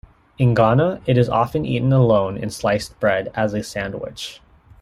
In Ghana, it is often eaten alone in sliced bread as a sandwich.